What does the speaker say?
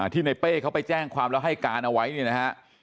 ที่ในเป้เขาไปแจ้งความแล้วให้การเอาไว้เนี่ยนะฮะ